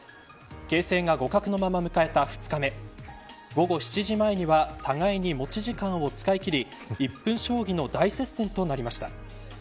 形勢が互角のまま迎えた２日目午後７時前には互いに持ち時間を使い切り１分将棋の大接戦となりました。